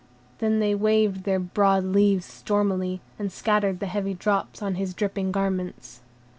Then they waved their broad leaves stormily, and scattered the heavy drops on his dripping garments.